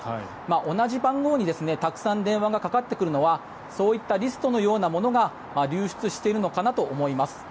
同じ番号にたくさん電話がかかってくるのはそういったリストのようなものが流出しているのかなと思います。